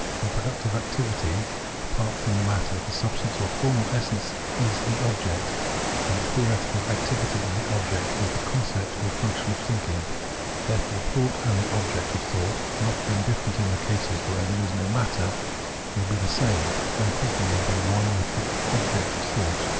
... In productive activity, apart fi'om the matter, the substance or formal essence is the object, and in theoretical activity the object is the concept or function of thinking. Therefore thought and the object of thought, not being different in the cases where there is no matter, will be the same, and thinking will be one with the object of thought.